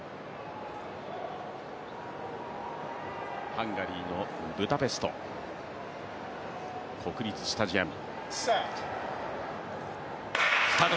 ハンガリーのブダペスト、国立スタジアム。